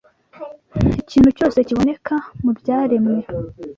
Ikintu cyose kiboneka mu byaremwe